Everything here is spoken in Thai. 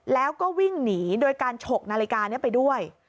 แล้วก็วิ่งหนีโดยการฉกนาฬิกานี้ไปด้วย